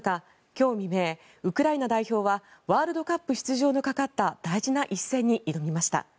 今日未明、ウクライナ代表はワールドカップ出場のかかった大事な一戦に挑みました。